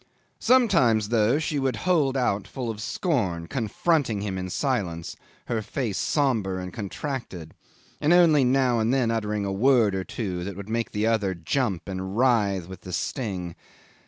Sometimes, though, she would hold out full of scorn, confronting him in silence, her face sombre and contracted, and only now and then uttering a word or two that would make the other jump and writhe with the sting.